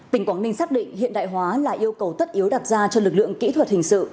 tỉnh quảng ninh xác định hiện đại hóa là yêu cầu tất yếu đặt ra cho lực lượng kỹ thuật hình sự